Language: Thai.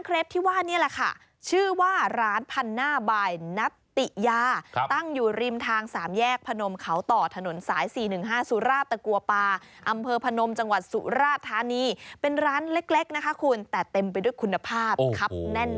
กินอะไรกันก่อนดีครับ